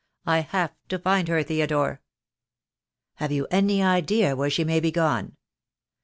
I have to find her, Theodore." "Have you any idea where she may be gone?"